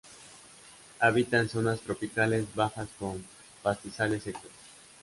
Habita en zonas tropicales bajas con pastizales secos.